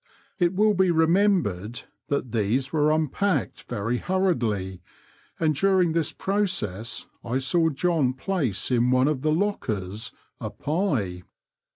*' It will be remembered that these were unpacked very hurriedly, and during this process I saw John place in one of the lockers a pie.